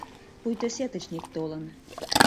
Пуйто сетычник толын...